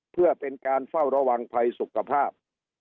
เพื่อเป็นการเฝ้าระวังภัยสุขภาพ